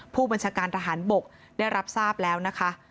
ผู้บัญชาการทหารบกได้รับทราบแล้วนะคะ